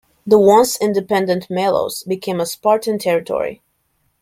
The once-independent Melos became a Spartan territory.